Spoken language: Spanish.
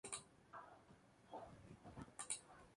Se encuentra al este de Turquía.